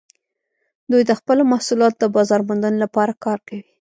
دوی د خپلو محصولاتو د بازارموندنې لپاره کار کوي